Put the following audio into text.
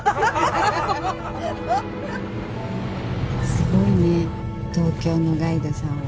すごいね東京のガイドさんは。